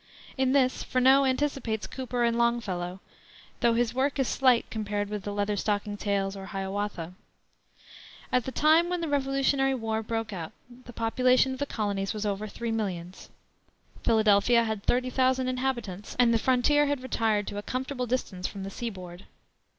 In this Freneau anticipates Cooper and Longfellow, though his work is slight compared with the Leatherstocking Tales or Hiawatha. At the time when the Revolutionary War broke out the population of the colonies was over three millions; Philadelphia had thirty thousand inhabitants, and the frontier had retired to a comfortable distance from the sea board.